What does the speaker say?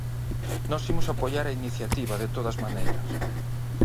Nós imos apoiar a iniciativa de todas maneiras.